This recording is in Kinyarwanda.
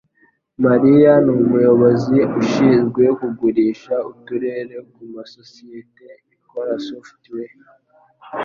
mariya numuyobozi ushinzwe kugurisha uturere kumasosiyete ikora software